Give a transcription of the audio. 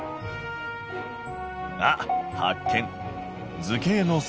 あっ発見！